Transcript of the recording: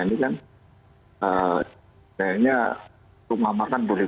ini kan kayaknya rumah makan boleh